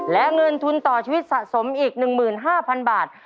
และเงินทุนต่อชีวิตสะสมอีกหนึ่งหมื่นห้าพันบาท